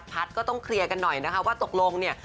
ก็ต้องเคลียร์กันหน่อยนะคะว่าตกลงเนี่ย